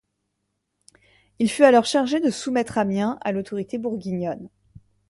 Il fut alors chargé de soumettre Amiens à l'autorité bourguignonne.